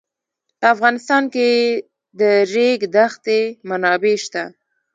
په افغانستان کې د د ریګ دښتې منابع شته.